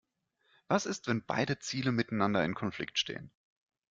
Was ist, wenn beide Ziele miteinander in Konflikt stehen?